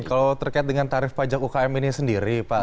kalau terkait dengan tarif pajak ukm ini sendiri pak